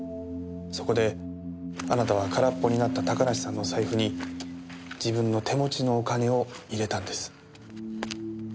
そこであなたは空っぽになった高梨さんの財布に自分の手持ちのお金を入れたんです。